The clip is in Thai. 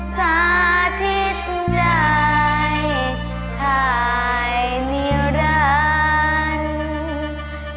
สาธิตใดไทยนิรันดร์